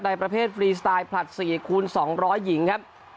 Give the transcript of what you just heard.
ประเภทฟรีสไตล์ผลัด๔คูณ๒๐๐หญิงครับ